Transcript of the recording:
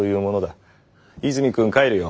泉君帰るよ。